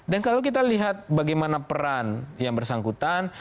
dan kalau kita lihat bagaimana peran yang bersangkutan